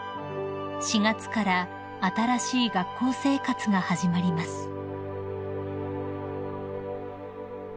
［４月から新しい学校生活が始まります］